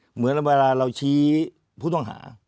เหมือนเวลาเราชี้ผู้ต้องหา